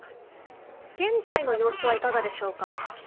現在の様子はいかがでしょうか。